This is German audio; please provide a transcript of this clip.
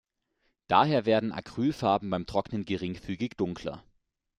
Daher werden Acrylfarben beim Trocknen geringfügig dunkler.